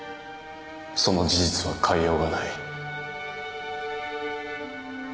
その事実は変えようがない。